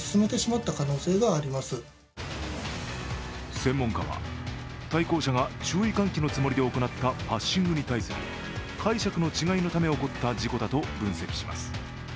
専門家は、対向車が注意喚起のつもりで行ったパッシングに対する解釈の違いのため起こった事故だと分析します。